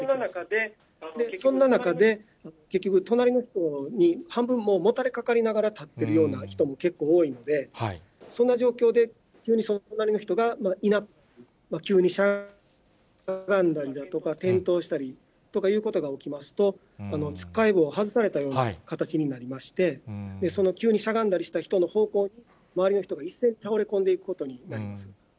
そんな中で、結局、隣のほうに半分もたれかかりながら立ってるような人も結構多いので、そんな状況で、急に隣の人が急にしゃがんだりだとか、転倒したりとかいうことが起きますと、つっかえ棒を外されたような形になりまして、その急にしゃがんだりした方向、周りの人が一斉に倒れていくことになります。